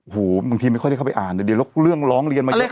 บางทีไม่ค่อยได้เข้าไปอ่านเดี๋ยวเรื่องร้องเรียนมาเยอะ